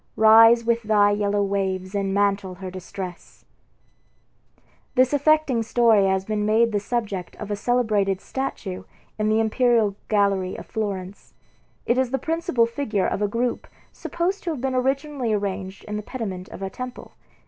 Rise with thy yellow waves, and mantle her distress." Childe Harold, IV. 79. This affecting story has been made the subject of a celebrated statue in the imperial gallery of Florence. It is the principal figure of a group supposed to have been originally arranged in the pediment of a temple.